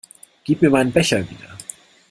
Gib mir meinen Becher wieder!